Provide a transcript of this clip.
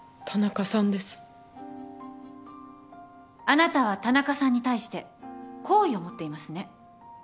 あなたは田中さんに対して好意を持っていますね？